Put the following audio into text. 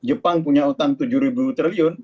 jepang punya utang tujuh triliun